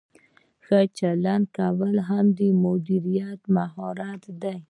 ښه چلند کول هم د مدیر مهارت دی.